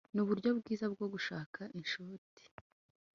Nuburyo bwiza bwo gushaka inshuti